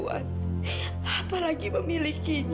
hingga apa saja senyum evita di depan ini